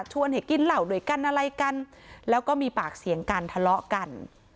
ให้กินเหล่าด้วยกันอะไรกันแล้วก็มีปากเสียงกันทะเลาะกัน